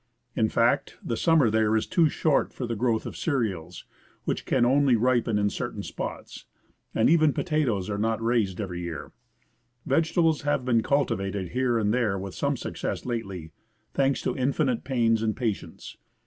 In fact, the summer there is too short for the growth of cereals, which can only ripen in certain spots, and even potatoes are not raised every year. Vegetables have been cultivated here and there with some success lately, thanks to infinite pains and patience.